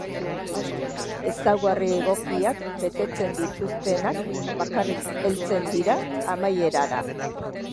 Ezaugarri egokiak betetzen dituztenak bakarrik heltzen dira amaierara.